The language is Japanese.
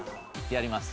やります。